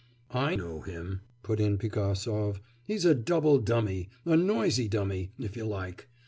'I know him,' put in Pigasov, 'he's a double dummy, a noisy dummy, if you like!